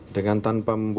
dengan tanpa membuat wajah